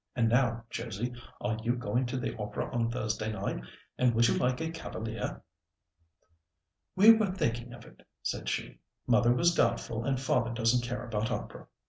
And now, Josie, are you going to the opera on Thursday night, and would you like a cavalier?" "We were thinking of it," said she. "Mother was doubtful, and father doesn't care about opera.